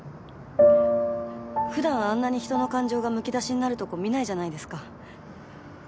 普段あんなに人の感情がむき出しになるとこ見ないじゃないですか。